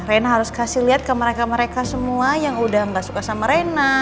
rena harus kasih lihat ke mereka mereka semua yang udah gak suka sama rena